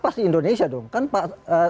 pasti indonesia dong kan pak